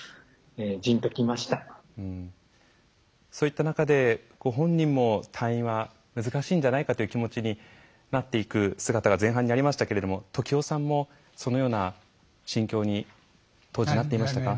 そういった中でご本人も退院は難しいんじゃないかという気持ちになっていく姿が前半にありましたけれども時男さんもそのような心境に当時なっていましたか？